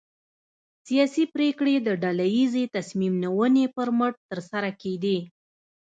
سیاسي پرېکړې د ډله ییزې تصمیم نیونې پر مټ ترسره کېدې.